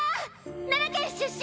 奈良県出身！